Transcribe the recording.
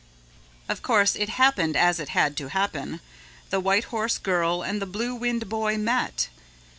Of course, it happened as it had to happen, the White Horse Girl and the Blue Wind Boy met.